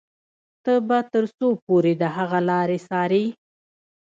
ته به تر څو پورې د هغه لارې څاري.